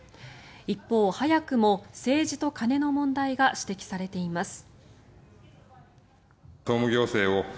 一方、早くも政治と金の問題が指摘されています。